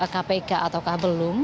kpk ataukah belum